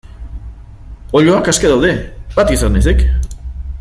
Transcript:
Oiloak aske daude, bat izan ezik.